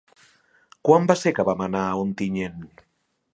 Quan va ser que vam anar a Ontinyent?